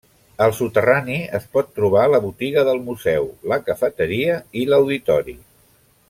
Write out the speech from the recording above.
Al soterrani es pot trobar la botiga del museu, la cafeteria i l'auditori.